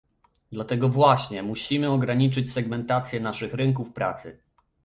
Dlatego właśnie musimy ograniczyć segmentację naszych rynków pracy